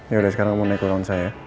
ya udah sekarang kamu naik ke ruang saya